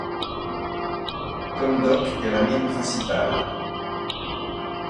Komdok est la mine principale.